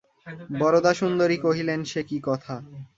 বরদাসুন্দরী কহিলেন, সে কী কথা?